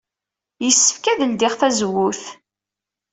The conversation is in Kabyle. Yessefk ad ledyeɣ tazewwut.